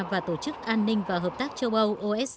và tổ chức an ninh và hợp tác châu âu